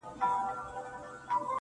دلته اوسم_